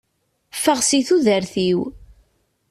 Ffeɣ si tudert-iw!